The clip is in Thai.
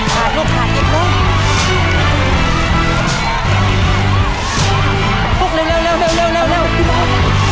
ได้แล้วลูกมา